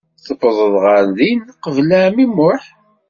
Tuwḍeḍ ɣer din uqbel ɛemmi Muḥ.